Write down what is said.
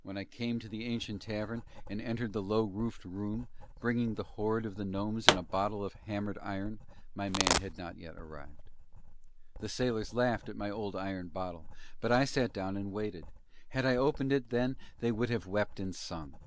When I came to the ancient tavern and entered the low roofed room, bringing the hoard of the gnomes in a bottle of hammered iron, my man had not yet arrived. The sailors laughed at my old iron bottle, but I sat down and waited; had I opened it then they would have wept and sung.